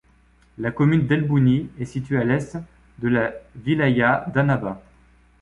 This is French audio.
La commune d'El Bouni est située à l'est de la wilaya d'Annaba.